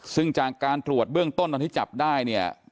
ซึ่งจากการตรวจเบื้องต้นตอนที่จับได้เนี่ย